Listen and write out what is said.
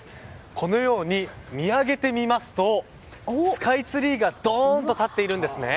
このように、見上げてみますとスカイツリーがどーんと立っているんですね。